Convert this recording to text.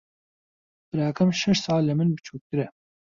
براکەم شەش ساڵ لە من بچووکترە.